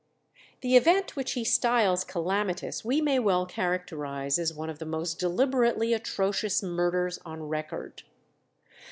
The event which he styles calamitous we may well characterize as one of the most deliberately atrocious murders on record.